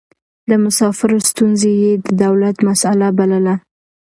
د مسافرو ستونزې يې د دولت مسئله بلله.